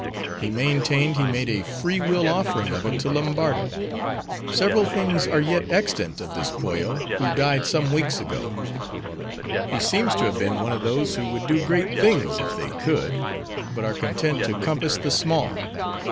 He maintained he made a free will offering of it to Lombardo. Several things are yet extant of this Pollo, who died some weeks ago. He seems to have been one of those, who would do great things if they could; but are content to compass the small.